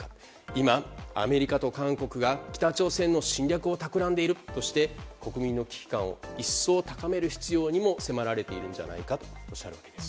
今、アメリカと韓国が北朝鮮の侵略を企んでいるとして国民の危機感を一層高める必要に迫られているんじゃないかとおっしゃっています。